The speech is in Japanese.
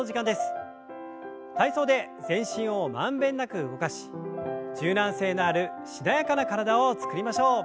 体操で全身を満遍なく動かし柔軟性のあるしなやかな体を作りましょう。